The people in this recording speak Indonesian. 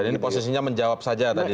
jadi ini posisinya menjawab saja tadi